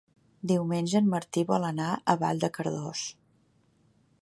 Diumenge en Martí vol anar a Vall de Cardós.